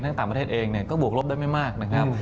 ต่างประเทศเองเนี่ยก็บวกลบได้ไม่มากนะครับ